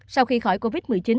sau khi khỏi covid một mươi chín